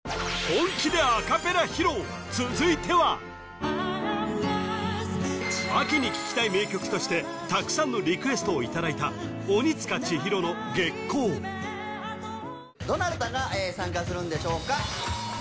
本気でアカペラ披露続いては秋に聴きたい名曲としてたくさんのリクエストをいただいた鬼束ちひろの「月光」どなたが参加するんでしょうか